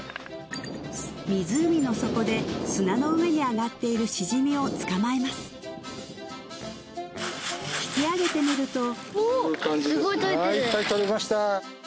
湖の底で砂の上にあがっているシジミをつかまえます引き上げてみるとこういう感じですあいっぱいとれました